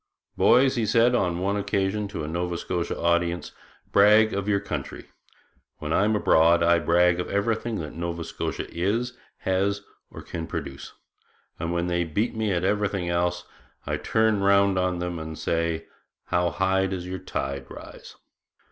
'Boys,' he said on one occasion to a Nova Scotia audience, 'brag of your country. When I'm abroad I brag of everything that Nova Scotia is, has, or can produce; and when they beat me at everything else, I turn round on them and say, "How high does your tide rise?"'